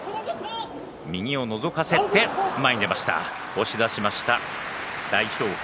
押し出しました大翔鵬。